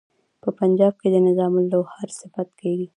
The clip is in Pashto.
په پنجاب کې د نظام لوهار صفت کیږي.